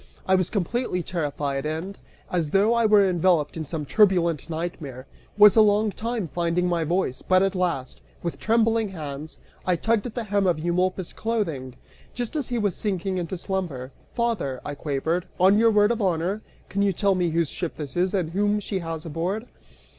I was completely terrified, and, as though I were enveloped in some turbulent nightmare, was a long time finding my voice, but at last, with trembling hands, I tugged at the hem of Eumolpus' clothing, just as he was sinking into slumber. "Father," I quavered, "on your word of honor, can you tell me whose ship this is, and whom she has aboard?"